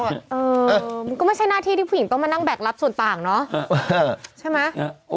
มันก็ไม่ใช่หน้าที่ที่ผู้หญิงต้องมานั่งแบกรับส่วนต่างเนาะใช่ไหม